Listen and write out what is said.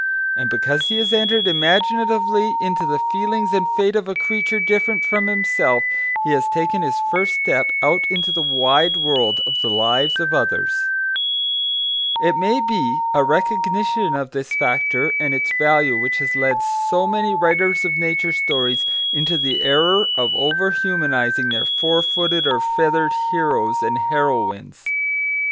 And because he has entered imaginatively into the feelings and fate of a creature different from himself, he has taken his first step out into the wide world of the lives of others. [Footnote 1: See Raggylug, page 135.] It may be a recognition of this factor and its value which has led so many writers of nature stories into the error of over humanising their four footed or feathered heroes and heroines.